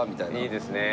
いいですね。